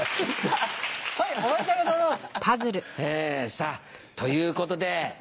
さぁということで。